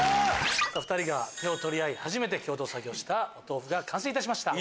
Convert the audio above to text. ２人が手を取り合い初めて共同作業したお豆腐が完成いたしました。